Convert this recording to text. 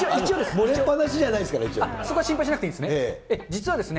漏れっぱなしじゃないですかそこは心配しなくていいですね。